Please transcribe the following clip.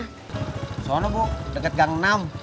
ke sana bu deket gang enam